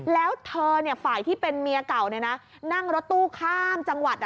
แล้วเธอฝ่ายที่เป็นเมียเก่านั่งรถตู้ข้ามจังหวัด